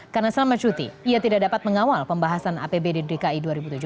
karena selama cuti ia tidak dapat mengawal pembahasan apb dki dua ribu tujuh belas